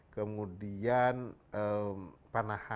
kemudian panahan panjat tebing itu klaster klaster awal